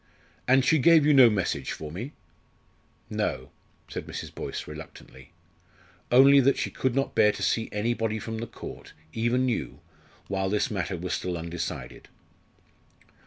"And she gave you no message for me?" "No," said Mrs. Boyce, reluctantly. "Only that she could not bear to see anybody from the Court, even you, while this matter was still undecided."